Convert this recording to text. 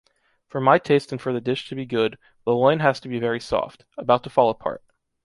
For my taste and for the dish to be good, the loin has to be very soft, about to fall apart.